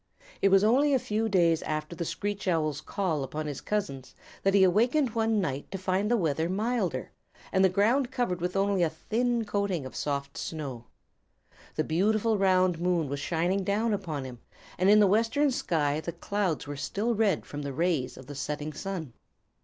It was only a few days after the Screech Owl's call upon his cousins that he awakened one night to find the weather milder, and the ground covered with only a thin coating of soft snow. The beautiful round moon was shining down upon him, and in the western sky the clouds were still red from the rays of the setting sun.